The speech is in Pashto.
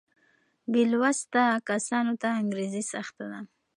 بې لوسته کسانو ته انګرېزي سخته ده.